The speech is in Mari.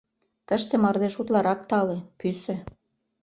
Тыште мардеж утларак тале, пӱсӧ.